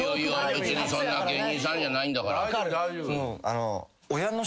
別に芸人さんじゃないんだから。